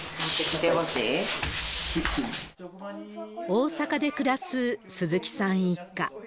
大阪で暮らす鈴木さん一家。